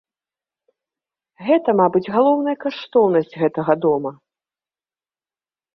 Гэта, мабыць, галоўная каштоўнасць гэтага дома.